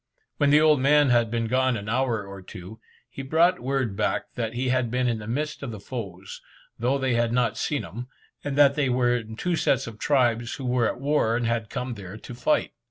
When the old man had been gone an hour or two, he brought word back that he had been in the midst of the foes, though they had not seen him, and that they were in two sets or tribes who were at war, and had come there to fight.